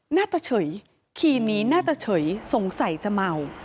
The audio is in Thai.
หน้าตาเฉยขี่หนีหน้าตาเฉยสงสัยจะเมา